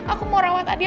aku mau rawat adi aku